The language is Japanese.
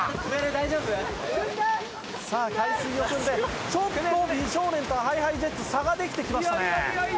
さあ海水をくんでちょっと美少年とＨｉＨｉＪｅｔｓ差ができてきましたね。